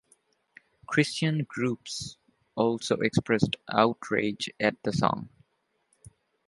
Christian groups also expressed outrage at the song.